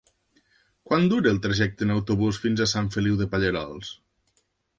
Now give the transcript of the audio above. Quant dura el trajecte en autobús fins a Sant Feliu de Pallerols?